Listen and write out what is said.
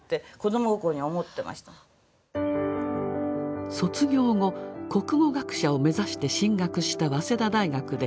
卒業後国語学者を目指して進学した早稲田大学で演劇に出会います。